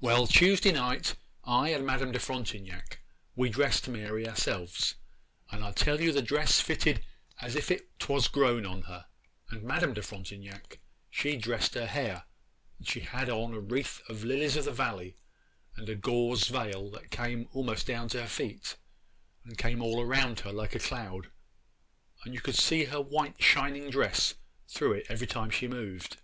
Well, Tuesday night I and Madame de Frontignac we dressed Mary ourselves, and I tell you the dress fitted as if 'twas grown on her; and Madame de Frontignac she dressed her hair, and she had on a wreath of lilies of the valley, and a gauze veil that came a'most down to her feet and came all around her like a cloud, and you could see her white shining dress through it every time she moved.